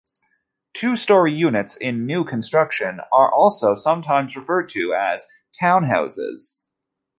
Two story units in new construction are also sometimes referred to as "townhouses".